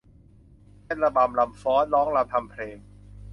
เต้นระบำรำฟ้อน ร้องรำทำเพลง